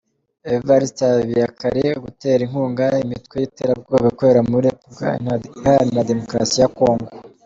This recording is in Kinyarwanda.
Evariste Habiyakare, gutera inkunga imitwe y’iterabwoba ikorera muri Repubulika iharanira Demokarasi ya Congo